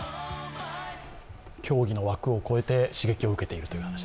競技の枠を超えて刺激を受けているという。